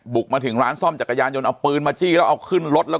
บุกมาถึงร้านซ่อมจักรยานยนต์เอาปืนมาจี้แล้วเอาขึ้นรถแล้ว